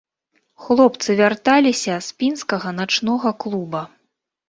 Хлопцы вярталіся з пінскага начнога клуба.